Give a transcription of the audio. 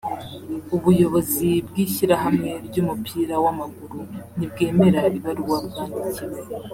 ubuyobozi bw’ishyirahamwe ry’umupira w’amaguru ntibwemera ibaruwa bwandikiwe